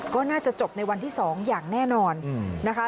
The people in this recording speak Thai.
ก็น่าจะจบในวันที่๒อย่างแน่นอนนะคะ